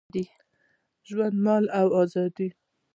ژوند، مال او آزادي